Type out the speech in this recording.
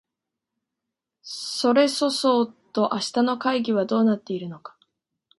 それそそうと明日の会議はどうなっているのか